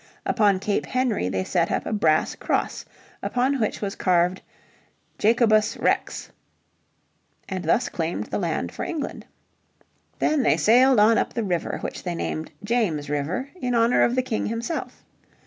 Upon Cape Henry they set up a brass cross upon which was carved "Jacobus Rex" and thus claimed the land for England. Then they sailed on up the river which they named James River, in honour of the King himself.